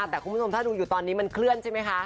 แต่คุณผู้ชมถ้าดูอยู่ตอนนี้มันเคลื่อนใช่ไหมคะ